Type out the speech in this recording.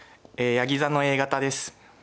やぎ座のＡ型です。